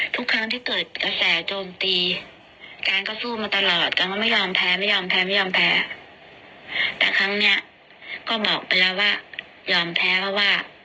มันไม่ได้มีประโยชน์ที่จะชนะลูกเพราะว่าตั้งแต่เขารู้ว่าเราท้องเราก็แพ้อยู่แล้ว